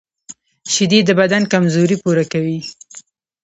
شیدې د بدن کمزوري پوره کوي